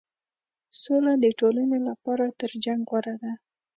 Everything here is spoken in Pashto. سوله د ټولنې لپاره تر جنګ غوره ده.